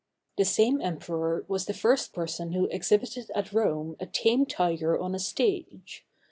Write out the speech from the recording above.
The same emperor was the first person who exhibited at Rome a tame tiger on the stage.